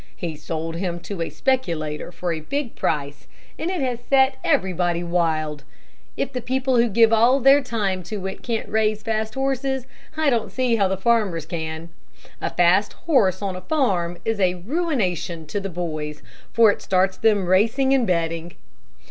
He sold him to a speculator for a big price, and it has set everybody wild. If the people who give all their time to it can't raise fast horses, I don't see how the farmers can. A fast horse on a farm is ruination to the boys, for it starts them racing and betting.